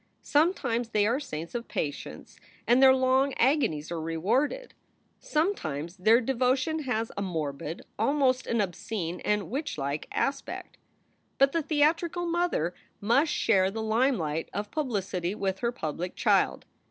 Sometimes they are saints of patience and their long agonies are rewarded. Some SOULS FOR SALE 221 times their devotion has a morbid, almost an obscene and witchlike, aspect. But the theatrical mother must share the limelight of publicity with her public child.